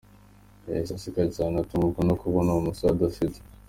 Yahise aseka cyane, atungurwa no kubona uwo musore adasetse.